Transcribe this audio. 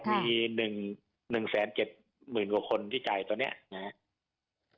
มีหนึ่งหนึ่งแสนเจ็ดหมื่นกว่าคนที่ตัดตัวเนี้ยเนี้ย